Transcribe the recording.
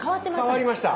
変わりました。